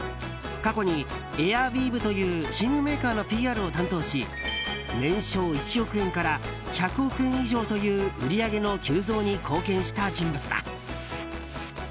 過去に、エアウィーヴという寝具メーカーのＰＲを担当し年商１億円から１００億円以上という売り上げの急増に貢献した人物だ。